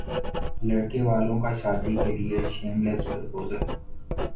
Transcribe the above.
لڑکے والوں کا شادی کے لیےشیم لیس پرپوزل